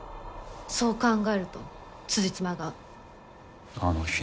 そう考えるとつじつまが合う。